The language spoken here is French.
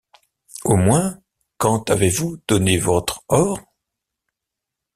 Au moins, quand avez-vous donné votre or?